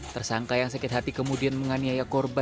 tersangka yang sakit hati kemudian menganiaya korban